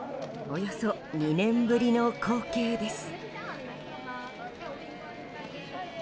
およそ２年ぶりの光景です。